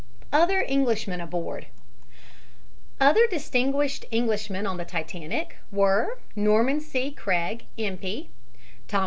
OTHER ENGLISHMEN ABOARD Other distinguished Englishmen on the Titanic were Norman C. Craig, M.P.